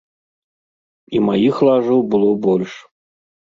І маіх лажаў было больш.